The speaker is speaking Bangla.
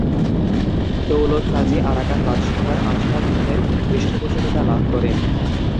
দৌলত কাজী আরাকান রাজসভার আশরাফ খানের পৃষ্ঠপোষকতা লাভ করেন।